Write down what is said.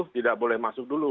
tidak boleh masuk dulu